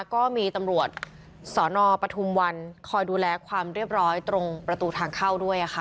ก็มีตำรวจสนปฐุมวันคอยดูแลความเรียบร้อยตรงประตูทางเข้าด้วยค่ะ